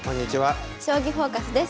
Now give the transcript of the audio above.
「将棋フォーカス」です。